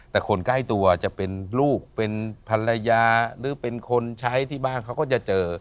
แต่คนใกล้ตัวจะเป็นลูกเป็นภรรยาหรือเป็นคนใช้ที่บ้านเขาก็จะเจอ